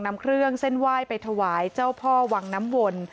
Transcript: นำเครื่องเส้นไหว้ไปถวายเจ้าพ่อวังน้ำวน